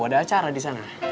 ada acara di sana